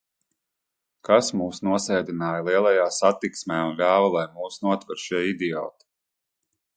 Kas mūs nosēdināja lielajā satiksmē un ļāva, lai mūs notver šie idioti?